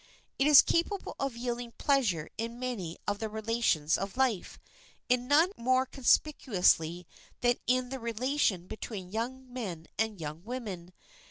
It is capable of yielding pleasure in many of the relations of life, in none more conspicuously than in the relation between young men and young women.